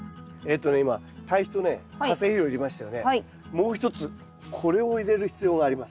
もう一つこれを入れる必要があります。